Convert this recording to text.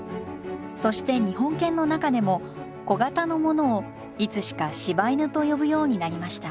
そして日本犬の中でも小型のものをいつしか柴犬と呼ぶようになりました。